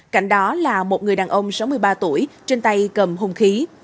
cạnh đó là một người đàn ông sáu mươi ba tuổi trên tay cầm hùng khí